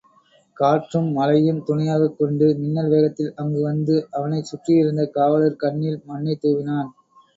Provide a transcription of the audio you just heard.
காற்றும் மழையும் துணையாகக் கொண்டு மின்னல் வேகத்தில் அங்கு வந்து அவனைச் சுற்றியிருந்த காவலர் கண்ணில் மண்ணைத் தூவினான்.